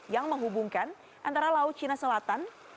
yang menghubungkan antara laut cina selatan